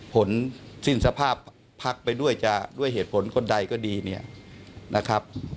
ผลสิ้นสภาพพักไปด้วยจะด้วยเหตุผลคนใดก็ดีเนี่ยนะครับ